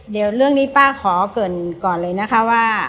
เดี๋ยวเรื่องนี้ป้าขอเกินก่อนเลยนะคะว่า